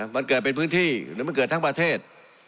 มันเกิดเป็นพื้นที่หรือมันเกิดทั้งประเทศ